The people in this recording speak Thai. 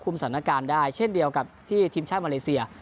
สถานการณ์ได้เช่นเดียวกับที่ทีมชาติมาเลเซีย